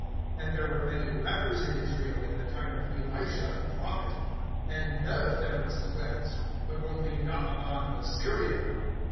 (27)And there were many lepers in Israel, in the time of Elisha the prophet; and none of them was cleansed, but only Naaman the Syrian.